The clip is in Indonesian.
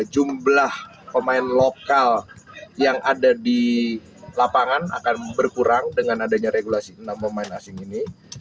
jumlah pemain lokal yang ada di lapangan akan berkurang dengan adanya regulasi enam pemain asing ini